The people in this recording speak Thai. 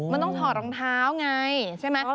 มันต้องถอดรองเท้าไงใช่ไหม